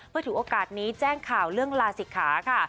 เพื่อถือโอกาสนี้แจ้งข่าวเรื่องลาศิกขาค่ะ